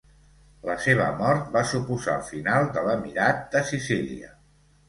La seva mort va suposar el final de l'emirat de Sicília.